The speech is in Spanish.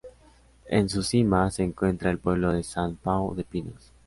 En su cima, se encuentra el pueblo de Sant Pau de Pinos.